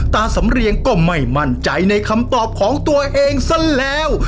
สำเรียงก็ไม่มั่นใจในคำตอบของตัวเองซะแล้ว